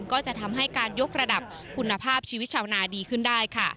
ก็จะทำให้การยกระดับคุณภาพชีวิตชาวนาดีขึ้นได้ค่ะ